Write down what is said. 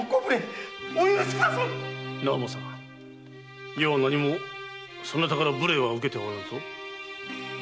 直正余は何もそなたから無礼は受けておらぬぞ。